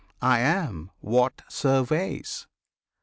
I am what surveys!